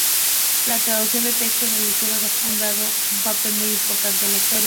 La traducción de textos religiosos ha jugado un papel muy importante en la historia.